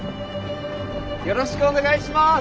よろしくお願いします。